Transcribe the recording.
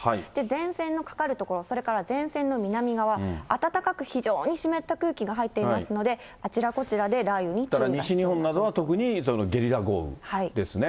前線のかかる所、それから前線の南側、暖かく非常に湿った空気が入っていますので、だから西日本などは特にゲリラ豪雨ですね。